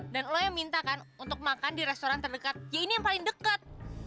dan lo yang minta kan untuk makan di restoran terdekat ya ini yang paling deket